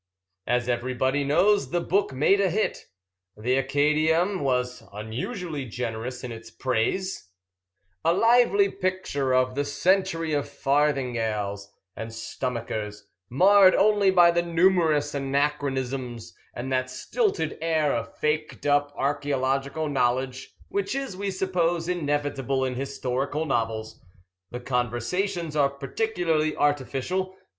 As everybody knows, the book made a hit. The Acadæum was unusually generous in its praise: "A lively picture of the century of farthingales and stomachers, marred only by numerous anachronisms and that stilted air of faked up archæological knowledge which is, we suppose, inevitable in historical novels. The conversations are particularly artificial.